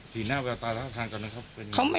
ทีหน้าว่าดายทางกันนั้นเขาเป็นยังไง